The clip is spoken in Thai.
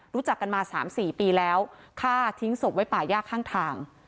รู้จักกันมา๓๔ปีแล้วฆ่าทิ้งศพไว้ป่าย่าข้างทาง